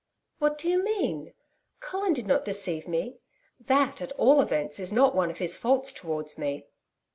'What do you mean? Colin did not deceive me. That, at all events, is not one of his faults towards me.'